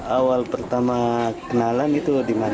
awal pertama kenalan itu di mana